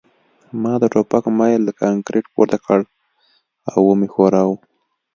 ما د ټوپک میل له کانکریټ پورته کړ او ومې ښوراوه